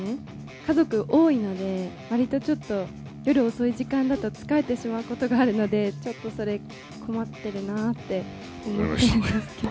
家族が多いので、わりとちょっと、夜遅い時間だとつかえてしまうことがあるので、ちょっとそれ、困ってるなぁって思っていますけど。